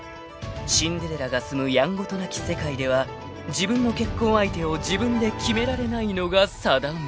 ［シンデレラが住むやんごとなき世界では自分の結婚相手を自分で決められないのが定め］